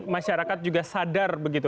masyarakat juga sadar begitu